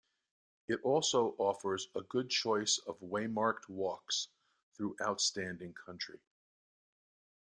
It also offers a good choice of waymarked walks through outstanding country.